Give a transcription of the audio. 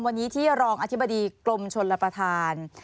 วันนี้ที่รองอธิบดีกรมชนรับประทาน